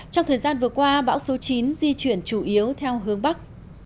trong thời gian vừa qua bão số chín di chuyển chủ yếu theo hướng bắc